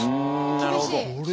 厳しい。